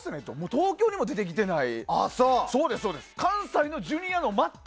東京にも出てきてない。